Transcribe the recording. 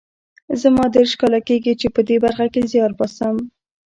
زما دېرش کاله کېږي چې په دې برخه کې زیار باسم